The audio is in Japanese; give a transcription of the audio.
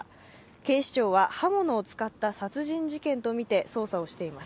警視庁は刃物を使った殺人事件として捜査をしています。